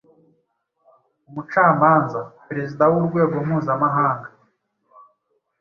Umucamanza , Perezida w’Urwego Mpuzamahanga